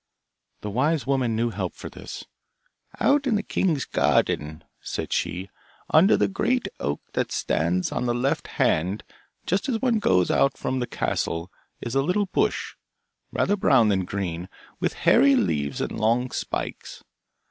The wise woman knew help for this. 'Out in the king's garden,' said she, 'under the great oak that stands on the left hand, just as one goes out from the castle, is a little bush, rather brown than green, with hairy leaves and long spikes.